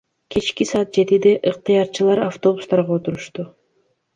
Кечки саат жетиде ыктыярчылар автобустарга отурушту.